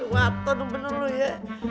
waduh temen temen lu ya